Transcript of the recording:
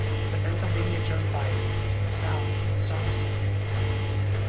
The Pennsylvania Turnpike is to the south in Somerset.